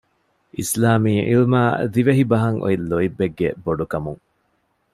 އިސްލާމީ ޢިލްމާއި ދިވެހިބަހަށް އޮތް ލޯތްބެއްގެ ބޮޑުކަމުން